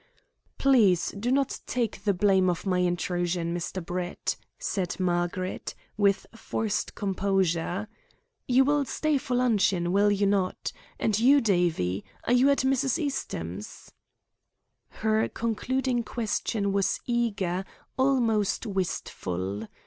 "Please do not take the blame of my intrusion, Mr. Brett," said Margaret, with forced composure. "You will stay for luncheon, will you not? And you, Davie? Are you at Mrs. Eastham's?" Her concluding question was eager, almost wistful.